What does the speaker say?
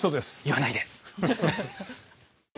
言わないで！